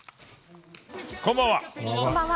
こんばんは。